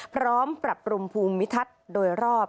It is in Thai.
พร้อมปรับปรุงภูมิทัศน์โดยรอบ